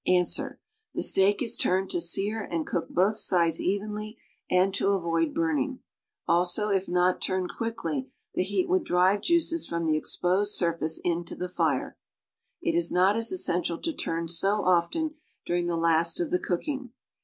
Ans. The steak is turned to sear and cook both sides evenly and to avoid burning; also if not turned ciuickly the heat would drive juices from the exposed surftice into the fire. It is not as essential to turn so often during the hist of the cooking.